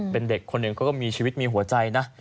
เป็นเด็กคนหนึ่งเขาก็มีชีวิตมีหัวใจนะ